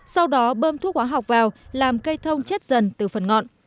sau đó bơm thuốc hóa học vào làm cây thông chết dần từ phần ngọn